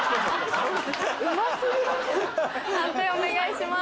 判定お願いします。